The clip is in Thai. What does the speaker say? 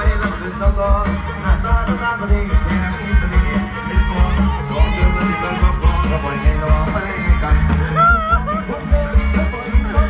หล่อเต็มถึงตาอายุอาวัยและมนุษย์เศร้าสอง